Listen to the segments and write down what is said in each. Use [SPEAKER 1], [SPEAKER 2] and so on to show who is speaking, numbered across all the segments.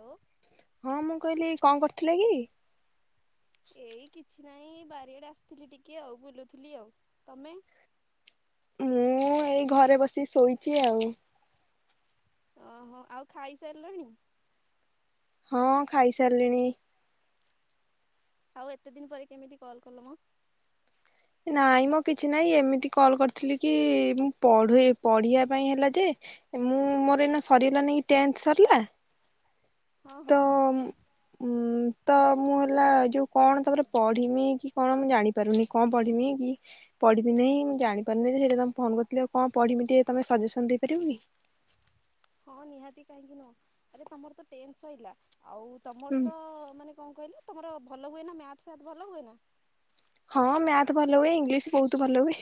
[SPEAKER 1] ଟୋ
[SPEAKER 2] ହଁ ମୁଁ କହିଲି କଁ କରୁଥୁଲେ କି?
[SPEAKER 1] ଏଇ କିଛି ନାଇଁ ବାରିଆଡେ ଆସିଥିଲି ଟିକେ ଆଉ ବୁଲୁଥିଲି ଆଉ। ତମେ?
[SPEAKER 2] ମୁଁ ଏଇ ଘରେ ବସିିକି ଶୋଇଚି ଆଉ।
[SPEAKER 1] ଅହ। ଆଉ ଖାଇ ସାରଲାଣି?
[SPEAKER 2] ହଁ ଖାଇ ସାରଲିଣି।
[SPEAKER 1] ଆଉ ଏତେ ଦିନ୍ ପରେ କେମିତି କଲ କଲ ମ?
[SPEAKER 2] ନାଇଁ ମ କିଛି ନାଇଁ ଏମିତି କଲ କରିଥିଲି କି ମୁଁ ପଢ଼ୁଇ ପଢିବା ପାଇଁ ହେଲା ଯେ ମୁଁ ମୋର ଏଇନା ସରଗଲା ନେଇଁକି ଟେନ୍ଥ ସରିଲା
[SPEAKER 1] ହଁ
[SPEAKER 2] ତ
[SPEAKER 1] ହଁ।
[SPEAKER 2] ଉଁ ତ ମୁଁ ହେଲା ଯୋଉ କଣ ତମର ପଢିମି କି କଣ ମୁଁ ଜାଣିପାରୁନି କଁ ପଢମି କି ପଢିମି ନେହିଁ ମୁଁ ଜାଣିପାରୁନି ସେଇଟା ତମେ ଫୋନ କରିଥିଲି। ଆଉ କଣ ପଢମି ଟିକେ ତମେ ସଜେସନ ଦେଇପାରିବ କି?
[SPEAKER 1] ହଁ ନିହାତି କାହିଁକି ନୁହଁ। ଆରେ ତମର ତ ଟେନ୍ ସଇଲା। ଆଉ ତମର
[SPEAKER 2] ହୁଁ
[SPEAKER 1] ତ ମାନେ କଁ କହିଲୁ ତମର ଭଲ ହୁଏ ନାଁ ମ୍ୟାଥ୍ ଫ୍ୟାଥ୍ ଭଲ ହୁଏ ନାଁ?
[SPEAKER 2] ହଁ ମ୍ୟାଥ୍ ଭଲ ହୁଏ ଇଂଲିଶ ବୋହୁତ ଭଲ ହୁଏ।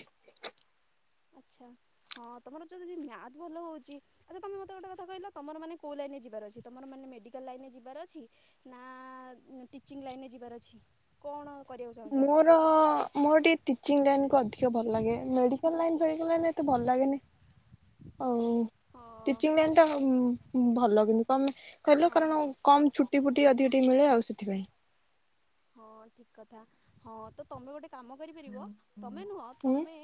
[SPEAKER 1] ଆଚ୍ଛା ହଁ ତମର ଯ ଯଦି ମ୍ୟାଥ୍ ଭଲ ହୋଉଚି ଆଚ୍ଛା ତମେ ମତେ ଗୋଟେ କଥା କହିଲ ତମର ମାନେ କଉ ଲାଇନରେ ଯିବାର ଅଛି ତମର ମାନେ ମେଡ଼ିକାଲ ଲାଇନରେ ଯିବାର ଅଛି ନାଁ ଟିଚିଂ ଲାଇନରେ ଯିବାର ଅଛି? କଣ କରିବାକୁ ଚାହୁଁଛ ଆପରେ
[SPEAKER 2] ମୋର ମୋର ଟିକେ ଟିଚିଂ ଲାଇନ୍ କୁ ଅଧିକ ଭଲ ଲାଗେ ମେଡିକାଲ ଲାଇନ ହେଇଗଲାନି ଏତେ ଭଲ ଲାଗେନେଇ ଆଉ
[SPEAKER 1] ହଁ
[SPEAKER 2] ଟିଚିଂ ଲାଇନଟା ଉଁ ଭଲ କିନ୍ତୁ କମେ କହିଲ
[SPEAKER 1] ହଁ
[SPEAKER 2] କାରଣ
[SPEAKER 1] ହଁ
[SPEAKER 2] କମ ଛୁଟି ଫୁଟି ଅଧିକ ଟି ଟି ମିଳେ ଆଉ ସେଥିପାଇଁ।
[SPEAKER 1] ହଁ ଠିକ କଥା ହଁ ତ ତମେ ଗୋଟେ କାମ କରିପାରିବ ତମେ ନୁହଁ
[SPEAKER 2] ହୁଁ
[SPEAKER 1] ତମେ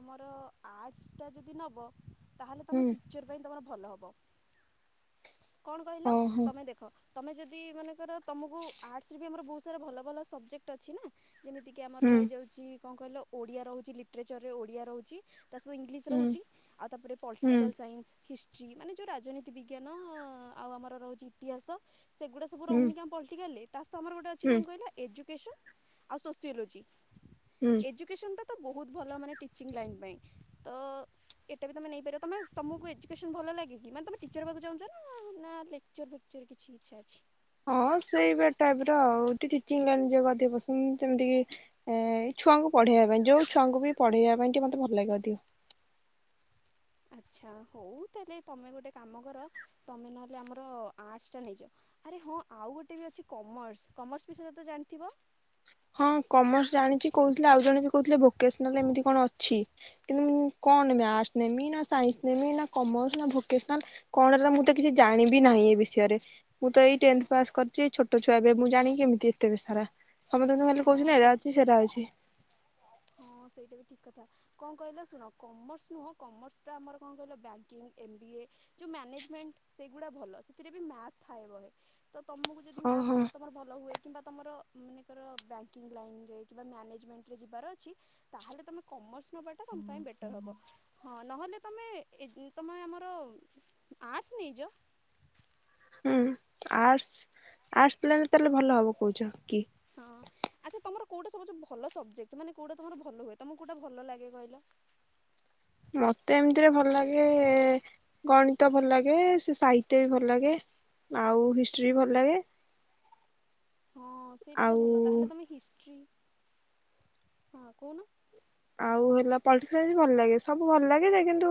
[SPEAKER 1] ଆମ ତ ଆର୍ଟସ ଟା ଯଦି ନବ ତାହେଲେ
[SPEAKER 2] ହୁଁ
[SPEAKER 1] ତମେ ଟିଚର ପାଇଁ ତମର ଭଲ ହବ। କଣ କହିଲ
[SPEAKER 2] ଓହୋ
[SPEAKER 1] ତମେ ଦେଖ ତମେ ଯଦି ମାନେ ର ତମକୁ ଆର୍ଟସ ଆମର ବହୁତ ଭଲ ଭଲ ସବଜେକ୍ଟ ଅଛି ନା। ଯେମିତି କିି ଆମର
[SPEAKER 2] ହୁଁ
[SPEAKER 1] ରହିଯାଉଛି କଣ କହିଲ ଓଡିଆ ରହୁଛି ଲିଟ୍ରେଚର ରେ ଓଡିଆ ରହୁଛି। ତା ସହିତ ଇଂଲିଶ
[SPEAKER 2] ହୁଁ।
[SPEAKER 1] ରହୁଛି ଆଉ ତାପରେ
[SPEAKER 2] ହୁଁ
[SPEAKER 1] ପଲିଟିକାଲ୍ ସାଇନ୍ସ ହିଷ୍ଟ୍ରି ମାନେ ଯୋଉ ରାଜନୀତି ବିଜ୍ଞାନ ଅ ଆଉ ଆମର ରହୁଛି ଇତିହାସ। ସେଗୁଡା ସବୁ
[SPEAKER 2] ହୁଁ
[SPEAKER 1] ରହୁନିକି ଆମ ପଲଟିକାଲରେ। ତା ସହିତ ଆମର ଏଠି
[SPEAKER 2] ହୁଁ
[SPEAKER 1] କଣ କହିଲ ଏଜୁ କେସନ ଆଉ ସୋସିଓଲୋଜି।
[SPEAKER 2] ହୁଁ
[SPEAKER 1] ଏଜୁକେସନ୍ ଟା ତ ତ ବହୁତ ଭଲ ମାନେ ଟିଚିଂ ଲାଇନ୍ ପାଇଁ ତ ଏଟା ବି ତୁମେ ନେଇପାରିବ ତମେ ତମକୁ ଏଜୁକେସନ୍ ଭଲ ଲାଗେ କି ମାନେ ତମେ ଟିଚର ହେବାକୁ ଚାହୁଁଛ ନା ନା ଲେକ୍ଚର ଫେକ୍ଚର କିଛି ଇଚ୍ଛା ଅଛି।
[SPEAKER 2] ହଁ ସେଇ ଟାଇପ ର ଆଉ ଟିକେ ଟିଚିଂ ଲାଇନରେ ଯିବାକୁ ଅଧିକ ପସନ୍ଦ ଯେମିତି ଏ କିି ଏ ଛୁଆଙ୍କୁ ପଢେଇବା ପାଇଁ ଯୋଉ ଛୁଆଙ୍କୁ ବି ପଢେଇବା ପାଇଁ ଟିକେ ମତେ ଭଲ ଲାଗେ ଅଧିକ।
[SPEAKER 1] ଆଚ୍ଛା ହଉ ତାହେଲେ ତମେ ଗୋଟେ କାମ କର ତମେ ନହେଲେ ଆମର ଆର୍ଟସ ଟା ନେଇଯାଅ ଆରେ ହଁ ଆଉ ଗୋଟେ ବି ଅଛି କମର୍ସ କମର୍ସ ବିଷୟରେ ତ ଜାଣିଥିବ।
[SPEAKER 2] ହଁ କମର୍ସ ଜାଣିଛି କହୁଥିଲେ ଆଉ ଜଣେ ବି କହୁଥିଲେ ଭୋକେସନାଲ ଏମିତି କଣ ଅଛି କିନ୍ତୁ ମୁଁ କଣ ନେମି ନା ସାଇନ୍ସ ନେମି ନା କମର୍ସ ନା ଭୋକେସନାଲ କଣହେଲା ମୁଁ ତ କିଛି ଜାଣିବି ନାହିଁ ଏ ବିଷୟରେ ମୁଁ ତ ଏଇ ଟେଂଥ ପାସ୍ କରିଛି ଏଇ ଛୋଟ ଛୁଆ ଏବେ ମୁଁ ଜାଣିକି କେମିତି ଏତେ ସାରା। ଆମେ ତମେ ଖାଲି କହୁଛୁ
[SPEAKER 1] ହଁ
[SPEAKER 2] ଏଇରା
[SPEAKER 1] ସେଇଟା
[SPEAKER 2] ଅଛି ସେଇରା ଅଛି।
[SPEAKER 1] ହଁ ସେଇଟା ବି ଠିକ୍ କଥା କଣ କହିଲ ଶୁଣ କମର୍ସ ନୁହଁ କମର୍ସଟା ଆମର କଣ କହିଲ ବ୍ୟାଙ୍କିଙ୍ଗ ଏମ୍ ବି ଏ ଯୋଉ ମ୍ୟାନେଜମେଣ୍ଟ ସେଇଗୁଡ଼ା ଭଲ ସେଥିରେ ବି ମ୍ୟାଥ୍ ଥାଏ ବହେ ତ ତମକୁ ଯଦି ମ୍ୟାଥ
[SPEAKER 2] ଓହୋ
[SPEAKER 1] ତମର ଭଲ ହୁଏ। କିମ୍ବା ତମର ମନେକର ବ୍ୟାଙ୍କିଙ୍ଗ ଲାଇନ ରେ କିମ୍ବା ମ୍ୟାନେଜମେଣ୍ଟ ରେ ଯିବାର ଅଛି ତାହଲେ ତମେ କମର୍ସ ନବାଟା ତମ ପାଇଁ ବେଟର ହବ ହଁ ନହେଲେ ତମେ ଏ ତମେ ଆମର ଆର୍ଟ୍ସ ନେଇଯାଅ।
[SPEAKER 2] ହୁଁ ଆର୍ଟସ୍ ଆର୍ଟସ ତାହେଲେ ଭଲ ହବ କହୁଛ କି
[SPEAKER 1] ହଁ ଆଚ୍ଛା ତମର କୋଉଟା ସବୁ ଭଲ ସବଜେକ୍ଟ ମାନେ କୋଉଟା ତମର ଭଲ ହୁଏ ତମକୁ କୋଉଟା ଭଲ ଲାଗେ କହିଲ।
[SPEAKER 2] ମତେ ଏମିତିରେ ଭଲ ଲାଗେ ଗଣିତ ଭଲ ଲାଗେ ସେ ସାହିତ୍ୟ ବି ଭଲ ଲାଗେ ଆଉ ହିଷ୍ଟ୍ରି ବି ଭଲ ଲାଗେ।
[SPEAKER 1] ହଁ ସେଇଟା ତ ଭଲ ତାହେଲେ
[SPEAKER 2] ଆଉ
[SPEAKER 1] ତମେ ହିଷ୍ଟି ହଁ କହୁନ?
[SPEAKER 2] ଆଉ ହେଲା ପଲିଟିକାଲ ସାଇନ୍ସ ଭଲ ଲାଗେ ସବୁ ଭଲ ଲାଗେ ଯେ କିନ୍ତୁ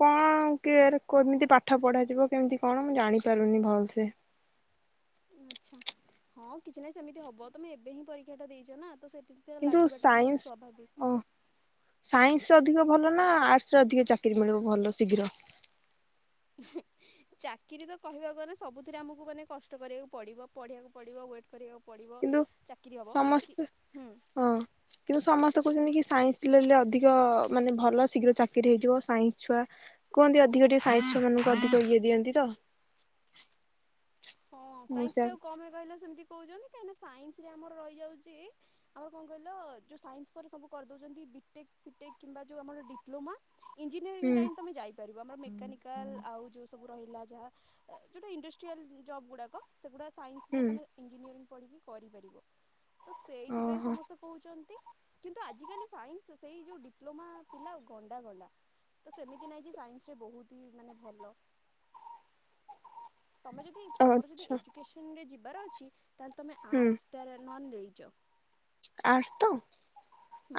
[SPEAKER 2] କଣ କି କେମିତି ପାଠ ପଢାଯିବ କେମିତି କଣ ମୁଁ ଜାଣି ପାରୁନି ଭଲସେ।
[SPEAKER 1] ଆଚ୍ଛା ହଁ କିଛି ନାହିଁ ସେମିତି ହବ ତମେ ଏବେ ହିଁ ପରୀକ୍ଷା ଟା ଦେଇଛ ନା ତ ସେଥି
[SPEAKER 2] କିନ୍ତୁ
[SPEAKER 1] ଲାଗିବାଟା ତ ସ୍ଵାଭାବିକ।
[SPEAKER 2] ସାଇନ୍ସରେ ଅଧିକ ଭଲ ନା ଆର୍ଟସ ରେ ଅଧିକ ଚାକିରି ମିଳିବ ଭଲ ଶୀଘ୍ର।
[SPEAKER 1] ଚାକିରି ତ କହିବାକୁ ଗଲେ ସବୁଥିରେ ଆମକୁ ମାନେ କଷ୍ଟ କରିବାକୁ ପଡିବ ପଢିବାକୁ ପଡିବ ୱେଟ କରିବାକୁ ପଡିବ।
[SPEAKER 2] କିନ୍ତୁ ସମସ୍ତେ ହଁ କିନ୍ତୁ ସମସ୍ତେ କହୁଛନ୍ତି କି ସାଇନ୍ସ ପିଲ ଅଧିକ ମାନେ ଭଲ ଶୀଘ୍ର ଚାକିରି ହେଇଯିବ ସାଇନ୍ସ ଛୁଆ କୁହନ୍ତି ଅଧିକ ଟିକେ ସାଇନ୍ସ ଛୁଆ ମାନଙ୍କୁ ଅଧିକ ଇଏ ଦିଅନ୍ତି ତ।
[SPEAKER 1] ହଁ
[SPEAKER 2] ମୁଁ
[SPEAKER 1] ସାଇନ୍ସ
[SPEAKER 2] ସେୟା
[SPEAKER 1] ଟା କମ ହୁଏ କହିଲ ସେମିତି କହୁଚନ୍ତି କାହିଁକି ନା ସାଇନ୍ସରେ ଆମର ରହିଯାଉଚି, ଆମର କଣ କହିଲ ଯୋଉ ସାଇନ୍ସ ପରେ ସବୁ କରିଦଉଚନ୍ତି ବିଟେକ୍ ଫିଟେକ୍ କିମ୍ବା ଯୋଉ ଆମର ଡିପ୍ଲୋମା ଇଞ୍ଜିନିୟରିଙ୍ଗ
[SPEAKER 2] ହୁଁ
[SPEAKER 1] ଲାଇନ୍ ତୋମେ ଯାଇପାରି ବ ଆମର ମେକାନିକାଲ୍ ଆଉ ଯୋଉ ସବୁ ରହିଲା ଯାହା ଅ, ଯୋଉଟା ଇଣ୍ଡଷ୍ଟ୍ରିଆଲ ଉଁ, ଜବ୍ ଗୁଡାକ। ସେ ଗୁଡ଼ା ସାଇନ୍ସରେ
[SPEAKER 2] ହୁଁ
[SPEAKER 1] ତୋମେ ଇଞିନିୟରିଂ ପଢିକି କରିପାରିବ। ତ ସେଇଥିପାଇଁ
[SPEAKER 2] ଓହୋ
[SPEAKER 1] ସମସ୍ତେ କହୁଚନ୍ତି କିନ୍ତୁ ଆଜିକାଲି ସାଇନ୍ସ ସେଇ ଯୋଉ ଡିପ୍ଲୋମା ପିଲା ଗଣ୍ଡା ଗଣ୍ଡା, ତ ସେମିତି ନାଇଁ ଯେ ସାଇନ୍ସ ରେ ବହୁତ ହି ମାନେ ଭଲ। ତୋମେ ଯଦି ତୋମର ଯଦି
[SPEAKER 2] ଆଚ୍ଛା
[SPEAKER 1] ଏଜୁକେସନ୍ ରେ ଯି ବର ଅଛି ତାହେଲେ ତୋମେ
[SPEAKER 2] ହୁଁ
[SPEAKER 1] ଆର୍ଟସ୍ ଟାରେ ନହେନ ନେଇ ଜ
[SPEAKER 2] ଆର୍ଟସ ତ।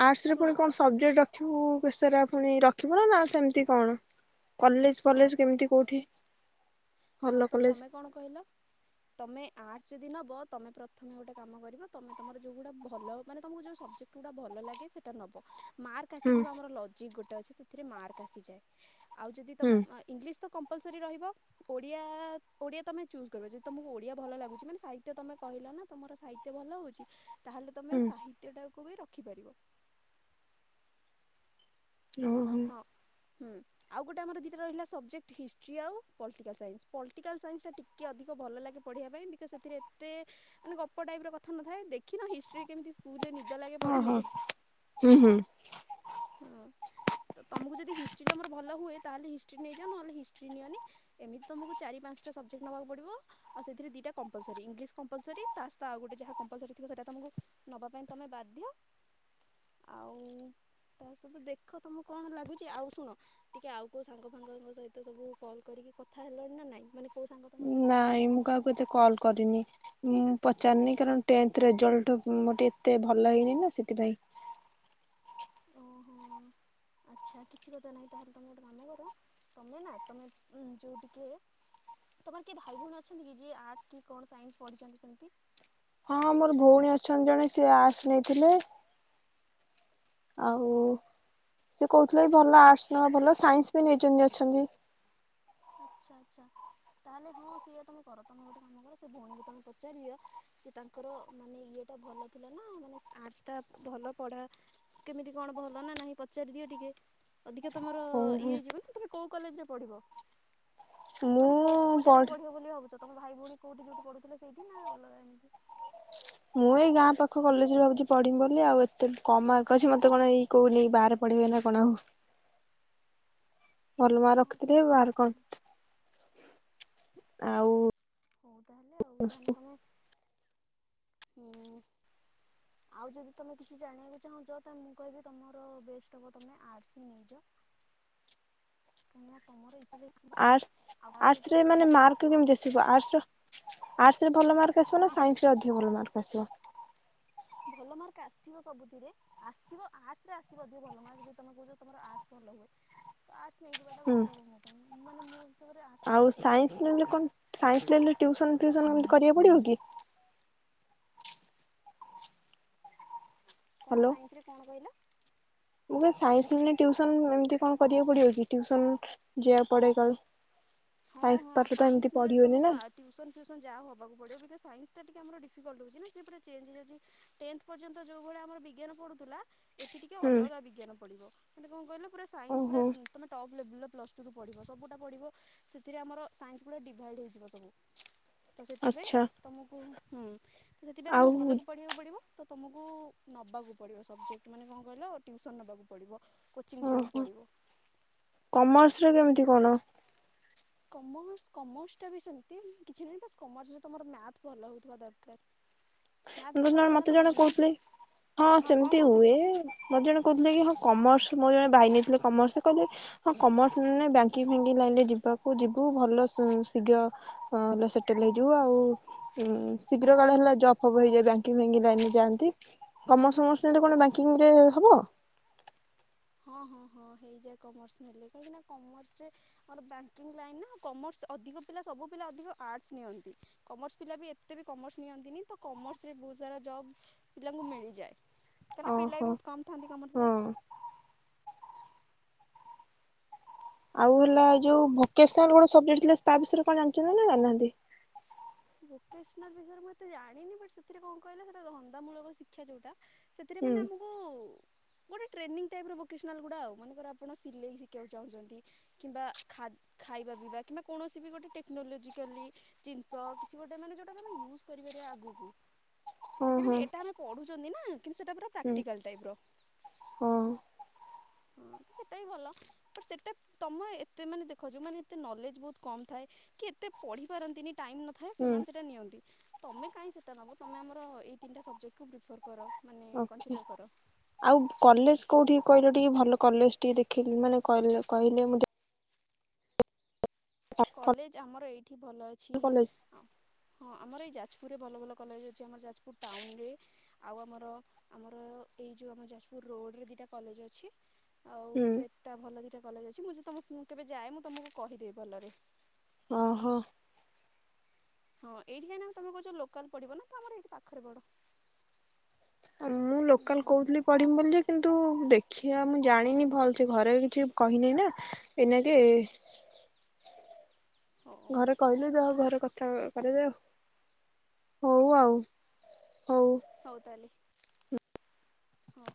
[SPEAKER 2] ଆର୍ଟସ ରେ
[SPEAKER 1] ଶୁଣ
[SPEAKER 2] ପୁଣି
[SPEAKER 1] ତ
[SPEAKER 2] କଣ ସବଜେକ୍ଟ ରଖିବୁ? ବିଷରା ପୁଣି ରଖିବୁ ନା, ନା ସେମତି କଣ? କଲେଜ୍
[SPEAKER 1] ହଁ
[SPEAKER 2] କଲେଜ୍
[SPEAKER 1] ତ
[SPEAKER 2] କେମିତି କୋଉଠି?
[SPEAKER 1] ହଁ
[SPEAKER 2] ଭଲ
[SPEAKER 1] ତ
[SPEAKER 2] କଲେଜ?
[SPEAKER 1] ତୋମେ କଣ କହିଲ? ତୋମେ ଆର୍ଟସ ଯଦି ନବ ତୋମେ ପ୍ରଥମେ ଗୋଟେ କାମ କରିବ, ତୋମେ ତୋମର ଯୋଉ ଗୁଡା ଭଲ ମାନେ ତୋମକୁ ଯୋଉ ସବଜେକ୍ଟ ଗୁଡା ଭଲ ଲାଗେ ସେଟା ନବ। ମାର୍କ
[SPEAKER 2] ହୁଁ
[SPEAKER 1] ଆସିଯିବ ଆମର ଲଜିକ୍ ଗୋ ଟେ ଅଛି ସେଥିରେ ମାର୍କ ଆସିଯାଏ। ଆଉ ଯଦି ତୋମ
[SPEAKER 2] ହୁଁ
[SPEAKER 1] ଏଁ-ଇଂଲିଶ ତ କମ୍ପଲସରି ରହିବ। ଓଡିଆ ଓଡିଆ ତୋମେ ଚୁଜା କରିବ, ଯଦି ତୋମକୁ ଓଡିଆ ଭଲ ଲାଗୁଚି ମାନେ ସାହିତ୍ଯ ତୋମେ କହିଲ ନା ତୋମର ସାହିତ୍ୟ ଭଲ ହଉଚି। ତାହେଲେ ତୋମେ
[SPEAKER 2] ହୁଁ
[SPEAKER 1] ସାହିତ୍ୟ ଟା କୁ ବି ରଖିପାରିବ।
[SPEAKER 2] ଓ ହୋ।
[SPEAKER 1] ହଁ ହୁଁ, ଆଉ ଗୋଟେ ଆମ ଦିଇଟା ରହିଲା ସବଜେକ୍ଟ ହିଷ୍ଟ୍ରି ଆଉ ପଲିଟିକାଲ ସାଇନ୍ସ, ପଲିଟିକାଲ ସାଇନ୍ସ ଟା ଟିକେ ଅଧିକ ଭଲ ଲାଗେ ପଢ଼ିବା ପାଇଁ ବିକଜ୍ ସେଥିରେ ଏତେ ମାନେ ଗପ ଟାଇପ୍ ର କଥା ନଥାଏ, ଦେଖିନ ହିଷ୍ଟ୍ରି କେମିତି ସ୍କୁଲରେ ନି
[SPEAKER 2] ଓ ହୋ ହୁଁ, ହୁଁ।
[SPEAKER 1] ହଁ ତ ତୋମକୁ ଯଦି ହିଷ୍ଟ୍ରି ତୋମର ଭଲ ହୁଏ, ତାହେଲେ ହିଷ୍ଟ୍ରି ନେଇଯାଅ, ନହେଲେ ହିଷ୍ଟ୍ରି ନିଅନି, ଏମିତି ତୋମକୁ ଚାରି ପାନ୍ସଟା ସବଜେକ୍ଟ ନେବାକୁ ପଡ଼ିବ, ଆଉ ସେଥିରେ ଦିଟା କମ୍ପଲସରି, ଇଂଲିଶ କମ୍ପଲସରି ତା ସହ ଆଉ ଗୋଟେ ଯାହା କମ୍ପଲସରି ଥିବ ସେଟା ତୋମକୁ ନବା ପାଇଁ ତୋମେ ବାଧ୍ୟ, ଆଉ ତା ସହିତ ଦେଖ ତୋମକୁ କଣ ଲାଗୁଚି, ଆଉ ଶୁଣ ଟିକେ ଆଉ କୋଉ ସାଙ୍ଗ ଫାଙ୍ଗଙ୍କ ସହିତ ସବୁ କଲ୍ କରିକି କଥା ହେଲଣି ନା ନାଇଁ? ମାନେ କୋଉ ସାଙ୍ଗ ତମର କଣ କଣ
[SPEAKER 2] ନାଇଁ ମୁଁ
[SPEAKER 1] ପଢୁଛନ୍ତି
[SPEAKER 2] କାହାକୁ ଏତେ କଲ୍ କରିନି ମୁଁ ପଚାରନି। କାରଣ ଟେନ୍ଥ ରେଜଲ୍ଟ ମୋର ଟିକେ ଏତେ ଭଲ ହେଇନି ନା ସେଥିପାଇଁ।
[SPEAKER 1] ଓହୋ, ଆଚ୍ଛା କିଛି କଥା ନାହିଁ, ତାହେଲେ ତୋମେ ଗୋଟେ କାମ କର ତୋମେ ନା ତୋମେ ଯୋଉ ଟିକେ ତୋମର କିଏ ଭାଇ ଭଉଣୀ ଅଛନ୍ତି କି? ଯିଏ ଆର୍ଟସ୍ କି କଣ ସାଇନ୍ସ ପଢିଚନ୍ତି ସେମିତି?
[SPEAKER 2] ହଁ ମୋର ଭଉଣୀ ଅଛନ୍ତି ଜଣେ ସିଏ ଆର୍ଟସ ନେଇଥିଲେ। ଆଉ
[SPEAKER 1] ହଁ
[SPEAKER 2] ସେ କହୁଥିଲେ ଭଲ ଆର୍ଟସ ନ ଭଲ ସାଇନ୍ସ ବି ନେଇଛନ୍ତି ଅଛନ୍ତି।
[SPEAKER 1] ଆଚ୍ଛା ଆଚ୍ଛା ତାହେଲେ ହଁ ସେୟା ତମେ କର ତମେ ଗୋଟେ କାମ କର ସେ ଭଉଣୀକୁ ତମେ ପଚାରି ଦିଅ ଯେ ତାଙ୍କର ମାନେ ଇଏଟା ଭଲ ଥିଲା ନା ମାନେ ଆର୍ଟସ ଟା ଭଲ ପଢା କେମିତି କଣ ଭଲ ନା ନାହିଁ ପଚାରି ଦିଅ ଟିକେ। ଅଧିକା ତମର ଇଏ
[SPEAKER 2] ଓହୋ
[SPEAKER 1] ହେଇ ଯିବ ନା ତମେ କୋଉ କଲେଜରେ ପଢିବ।
[SPEAKER 2] ମୁଁ
[SPEAKER 1] ମାନେ କୋଉ କୋଉ ଜାଗାରେ
[SPEAKER 2] ପଲ୍
[SPEAKER 1] ପଢିବ ବୋଲି ଭାବୁଛ। ତମ ଭାଇ ଭଉଣୀ କୋଉଠି ଯୋଉଠି ପଢୁଥିଲେ ସେଇଠି ନା ଅଲଗା ଏମିତି।
[SPEAKER 2] ମୁଁ ଏଇ ଗାଁ ପାଖ କଲେଜରେ ଭାବୁଛି ପଢିବି ବୋଲି ଆଉ ଏତେ କମ ମାର୍କ ଅଛି ମତେ କଣ ଏଇ କହୁନି ବାହାରେ ପଢିବେ ନା କଣ ହଉ। ଭଲ ମାର୍କ
[SPEAKER 1] ହଁ
[SPEAKER 2] ରଖିଥିଲି
[SPEAKER 1] ସେଇଟା ବି ଠିକ୍
[SPEAKER 2] ବାହରେ
[SPEAKER 1] କଥା
[SPEAKER 2] କଣ? ଆଉ
[SPEAKER 1] ହଉ ତାହେଲେ ହଉ ତାହେଲେ
[SPEAKER 2] ଆର୍ଟସ
[SPEAKER 1] ତମେ ହୁଁ ଆଉ ଯଦି ତମେ କିଛି ଜାଣିବାକୁ ଚାହୁଁଛ ତାେଲେ ମୁଁ କହିବି ତମର ବେଷ୍ଟ ହବ ତମେ ଆର୍ସ ହି ନେଇଯାଅ। [unintelligible]
[SPEAKER 2] ଆର୍ଟସ
[SPEAKER 1] ଆଉ ତା ସହିତ
[SPEAKER 2] ଆର୍ଟସରେ
[SPEAKER 1] ତମ
[SPEAKER 2] ମାନେ ମାର୍କ
[SPEAKER 1] ହଁ
[SPEAKER 2] କେମିତି ଦେଖିବ ଆର୍ଟସ ର ଆର୍ଟ୍ସ ରେ ଭଲ ମାର୍କ ଆସିବ
[SPEAKER 1] ମା
[SPEAKER 2] ନା ସାଇନ୍ସରେ ଅିକ ଭଲ ମାର୍କ। ଆସ।
[SPEAKER 1] ଭଲ ମାର୍କ ଆସିବ ସବୁଥିରେ ଆସିବ ଆର୍ଟ ରେ ଆସିବ ଅଧିକ ଭଲ ମାର୍କ ଯ ତମେ କହୁ ତମର ଆ ଭଲ ହୁଏ। ଆର୍ଟ୍ସ ନେଇ ଯିବା ଟା
[SPEAKER 2] ହୁଁ
[SPEAKER 1] ବେଟର ହବ ମୋ ପାଇଁ ମାନେ ମୋ ହିସାବରେ ଆର୍ଟ୍ସ ନେଇ
[SPEAKER 2] ଆଉ
[SPEAKER 1] ଯାଅ।
[SPEAKER 2] ସାଇନ୍ସ ନେଲେ କଣ ସାଇନ୍ସ ନେଲେ ଟ୍ୟୁସନ ଫ୍ୟୁଉସନ ଏମତି କରିବାକୁ ପଡିବ କି?
[SPEAKER 1] କଣ
[SPEAKER 2] ହ୍ୟାଲୋ
[SPEAKER 1] ସାଇନ୍ସ ରେ କଣ କହିଲ?
[SPEAKER 2] ମୁଁ କଣ ସାଇନ୍ସ ନେଲେ ଟ୍ୟୁସନ୍ ଏମତି କଣ କରିବାକୁ ପଡିବ କି ଟ୍ୟୁସନ୍ ଯିବାକୁ ପଡେ କଲ।
[SPEAKER 1] ହଁ ସାଇନ୍ସ ନେଲେ ତମକୁ ଆ ଟ୍ୟୁସନ ଫ୍ୟୁସନ ଯାହା ହବାକୁ ପଡିବ ବିକଜ୍ ସାଇନ୍ସ ଟା ଟିକେ ଆମର ଡିଫିକଲ୍ଟ ହଉଛି ନା ସେପୁରା ଚେଞ୍ ହେଇଯାଉଛି ଟେନଥ ପର୍ଯ୍ୟନ୍ତ ଯୋଉ ଭଳିଆ ଆମର ବିଜ୍ଞାନ ପଡୁଥିଲା ଏଠି ଟିକେ
[SPEAKER 2] ହୁଁ
[SPEAKER 1] ଅଲଗା ବିଜ୍ଞାନ ପଡିବ। ମାନେ କଣ କହିଲ ପୁରା ସାଇନ୍ସ
[SPEAKER 2] ଓହୋ
[SPEAKER 1] ପୁରା ତମେ ଟପ୍ ଲେବଲର ପ୍ଲସ୍ ଟୁରୁ ପଢ଼ିବ ସବୁଟା ପଢ଼ିବ ସେଥିରେ ଆମର ସାଇନ୍ସ ଗୁଡ଼ା ଡିଭାଇଡ଼୍ ହେଇଯିବ ସବୁ ତ ସେଥିପାଇଁ
[SPEAKER 2] ଆଚ୍ଛା
[SPEAKER 1] ତମକୁ ହୁଁ। ସେଥିପାଇଁ
[SPEAKER 2] ଆଉ
[SPEAKER 1] ତମକୁ ଭଲକି ପଢିବାକୁ ପଡିବ ତ ତମୁକୁ ନବାକୁ ପଡ଼ିବ ସବଜେକ୍ଟ ମାନେ କଣ କହିଲ ଟ୍ୟୁସନ୍ ନବାକୁ ପଡ଼ିବ। କୋଚିଂ
[SPEAKER 2] ଓହୋ
[SPEAKER 1] ଯିବାକୁ ପଡ଼ିବ
[SPEAKER 2] କମର୍ସ? ସେଇଟା କେମିତି କଣ?
[SPEAKER 1] କମର୍ସ କମର୍ସଟା ବି ସେମିତି କିଛି ନାହିଁ ବା କମର୍ସରେ ତମର ମ୍ୟାଥ୍ ଭଲ ହଉଥିବା ଦରକାର। ମ୍ୟାଥ୍
[SPEAKER 2] ମୁଁ
[SPEAKER 1] ଭଲ
[SPEAKER 2] ଜଣେ
[SPEAKER 1] ହୁଏ ନା
[SPEAKER 2] ମତେ
[SPEAKER 1] ତମର
[SPEAKER 2] ଜଣେ
[SPEAKER 1] ନାଇଁ
[SPEAKER 2] କହୁଥିଲେ ହଁ
[SPEAKER 1] କଣ
[SPEAKER 2] ସେମିତି
[SPEAKER 1] କହୁଥିଲେ?
[SPEAKER 2] ହୁଏ ମତେ ଜଣେ କହୁଥିଲେ କି ହଁ କମର୍ସ ମୋର ଜଣେ ଭାଇ ନେଇଥିଲେ କମର୍ସ କହିଲେ ହଁ କମର୍ସ ନେ ବ୍ୟାଙ୍କିଙ୍ଗ ଫ୍ୟାଙ୍କିଙ୍ଗ ଲାଇନରେ ଯିବାକୁ ଯିବୁ ଭଲ ଶୀଘ୍ର ଅଁ ହେଲା ସେଟେଲ ହେଇଯିବୁ ଆଉ ଉଁ ଶୀଘ୍ର କାଳେ ହେଲା ଜବ୍ ସବୂ ହେଇଯାଏ ବ୍ୟାଙ୍କିଙ୍ଗ ଫ୍ୟାଙ୍କିଙ୍ଗ ଲାଇନରେ ଯାଆନ୍ତି କମର୍ସ ଫମର୍ସ ନେଲେ କଣ ବ୍ୟାଙ୍କିଙ୍ଗରେ ହବ?
[SPEAKER 1] ହଁ ହଁ ହଁ ହେଇଯାଏ କମର୍ସ ନେଲେ କାହିଁକିନା କମର୍ସରେ ମୋର ବ୍ୟାଙ୍କିଙ୍ଗ ଲାଇନ୍ ନା କମର୍ସ ଅଧିକ ପିଲା ସବୁ ପିଲା ଅଧିକ ଆର୍ଟସ୍ ନିଅନ୍ତି କମର୍ସ ପିଲା ବି ଏତେ ବି କମର୍ସ ନିଅନ୍ତିନି ତ କମର୍ସରେ ବହୁତ ସାରା ଜବ୍ ପିଲାଙ୍କୁ ମିଳିଯାଏ। କାଇଁନା ପିଲା ବି
[SPEAKER 2] ଓହୋ
[SPEAKER 1] ବହୁତ କମ୍ ଥାଆନ୍ତି
[SPEAKER 2] ହଁ
[SPEAKER 1] କମର୍ସରେ।
[SPEAKER 2] ଆଉ ହେଲା
[SPEAKER 1] ହଁ
[SPEAKER 2] ଯୋଉ ଭୋକେଶ୍ [unintelligible] ଗୋଟେ ସବଜେକ୍ଟ ଥିଲା ତା ବିଷୟରେ କଣ ଜାଣିଛନ୍ତି ନା ଜାଣିନାହାନ୍ତି?
[SPEAKER 1] ଭୋକେସନାଲ୍ ବିଷୟରେ ମୁଁ ଏତେ ଜାଣିନି ବଟ୍ ସେଥିରେ କଣ କହିଲ ସେଟା ଧନ୍ଦାମୂଳକ ଶିକ୍ଷା ଯୋଉଟା ସେଥିରେ
[SPEAKER 2] ହୁଁ
[SPEAKER 1] ମାନେ ଆମୁକୁ ଗୋଟେ ଟ୍ରେନିଂ ଟାଇପ୍ର ଭୋକେସନାଲ୍ ଗୁଡ଼ା ଆଉ ମନେକର ଆପଣ ସିଲେଇ ଶିଖିବାକୁ ଚାହୁଁଛନ୍ତି କିମ୍ବା ଖାଦ୍ ଖାଇବା ପିଇବା କିମ୍ବା କୌଣସି ବି ଗୋଟେ ଟେକ୍ନୋଲୋଜିକାଲି ଜିନିଷ କିଛି ଗୋଟେ ମାନେ ଯୋଉଟା ଆମେ ୟୁଜ କରିପାରିବା ଆଗୁକୁ
[SPEAKER 2] ହଁ ହଁ
[SPEAKER 1] ଯେମିତି ଏଟା ଆମେ ପଢୁଛନ୍ତି ନା କିନ୍ତୁ ସେଟା ପୁରା
[SPEAKER 2] ହୁଁ
[SPEAKER 1] ପ୍ରାକ୍ଟିକାଲ ଟାଇପର
[SPEAKER 2] ହଁ
[SPEAKER 1] ହଁ ସେଟା ବି ଭଲ ସେଟା ତମ ଏତେ ମାନେ ଦେଖ ଯୋଉମାନେ ଏତେ ନଲେଜ ବହୁତ କମ ଥାଏ କି ଏତେ ପଢି ପାରନ୍ତିନି ଟାଇମ ନ ଥାଏ
[SPEAKER 2] ହୁଁ
[SPEAKER 1] ସେମାନେ ସେଟା ନିଅନ୍ତି। ତମେ କାଇଁ ସେଟା ନବ ତମେ ଆମର ଏଇ ତିନଟା ସବଜେକ୍ଟକୁ ପ୍ରିଫର କର। ମାନେ
[SPEAKER 2] ଓକେ
[SPEAKER 1] କନସିଡ଼ର କର
[SPEAKER 2] ଆଉ କଲେଜ କୋଉଠିକି କହିଲ ଟିକେ ଭଲ କଲେଜ ଟିକେ ଦେଖିଲି ମାନେ କହିଲ କହିଲେ ମୁଁ
[SPEAKER 1] କଲେଜ ଆମର ଏଇଠି ଭଲ ଅଛି
[SPEAKER 2] କଲେଜ
[SPEAKER 1] ହଁ ଆମର ଏଇ ଯାଜପୁରରେ ଭଲ ଭଲ କଲେଜ ଅଛି ଆମର ଯାଜପୁର ଟାଉନରେ ଆଉ ଆମର ଆମର ଏଇ ଯୋଉ ଆମ ଯାଜପୁର ରୋଡ଼ରେ ଦିଟା କଲେଜ ଅଛି ଆଉ
[SPEAKER 2] ହୁଁ
[SPEAKER 1] ସେଟା ଭଲ ଦିଟା କଲେଜ ଅଛି ମୁଁ ତମ ସ୍କୁଲ କେବେ ଯାଏ ମୁଁ ତମକୁ କହିଦେବି ଭଲରେ
[SPEAKER 2] ଓ ହୋ
[SPEAKER 1] ହଁ ଏଇଠି କାହିଁକି ତମେ କହୁଛ ଲୋକାଲ ପଡିବ ନା ତ ଆମର ଏଇଠି ପାଖରେ ବଡ
[SPEAKER 2] ମୁଁ ଲୋକାଲ କହୁଥିଲି ପଢିମି ବୋଲି କିନ୍ତ ତୁ ଦେଖିବା ମୁଁ ଜାଣିନି ଭଲ ସେ ଘରେ କିଛି କହିନି ନା ଏଇନାକେ
[SPEAKER 1] ହଉ
[SPEAKER 2] ଘରେ କହିଲେ ଯାହା ହବ ପରେ କଥା ହେବା ହଉ ଆଉ ହଉ
[SPEAKER 1] ହୁଁ